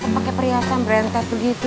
pakai perhiasan berhiasan berhiasan tuh gitu